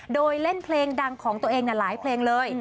โดยเล่นเพลงดังของตัวเองหลายเพลงเลย